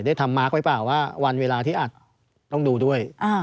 ทำมาร์คไว้เปล่าว่าวันเวลาที่อัดต้องดูด้วย